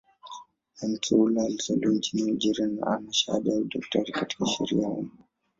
Bensaoula alizaliwa nchini Algeria na ana shahada ya udaktari katika sheria ya umma.